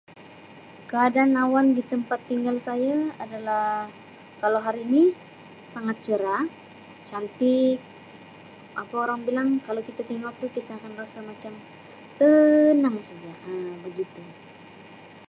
Keadaan awan di tempat tinggal saya adalah kalau hari ini sangat cerah cantik apa orang bilang kalau kita tengok tu kita akan rasa macam tenang saja. Um begitu.